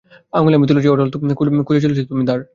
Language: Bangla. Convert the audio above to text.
আঙুলে আমি তুলেছি অটল, খুঁজে তুমি চলেছো দ্বার।